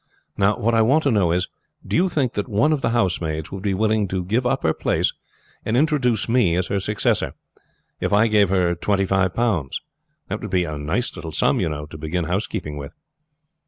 Now, what I want to know is, do you think that one of the housemaids would be willing to give up her place and introduce me as her successor, if I gave her twenty five pounds? That would be a nice little sum, you know, to begin housekeeping with."